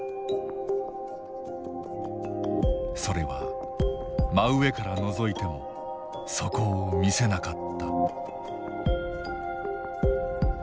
それは真上からのぞいても底を見せなかった。